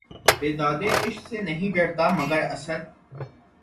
بیدادِ عشق سے نہیں ڈرتا، مگر اسد!